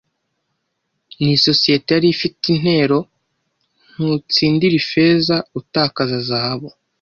Nisosiyete yari ifite intero Ntutsindira ifeza utakaza zahabu